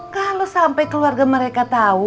kalau sampai keluarga mereka tahu